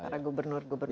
ya para gubernur gubernur